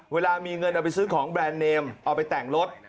เวลามีเงินเอาไปซื้อของแบรนด์เนมเอาไปแต่งรถ